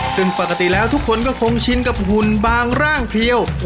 ซึ่งปกติแล้วทุกคนก็คงชินกับหุ่นบางร่างเพียว